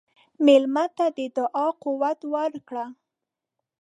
مېلمه ته د دعا قوت ورکړه.